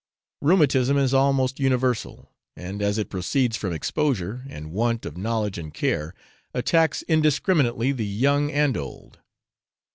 Rheumatism is almost universal; and as it proceeds from exposure, and want of knowledge and care, attacks indiscriminately the young and old.